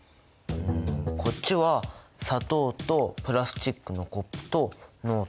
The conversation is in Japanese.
こっちは砂糖とプラスチックのコップとノート。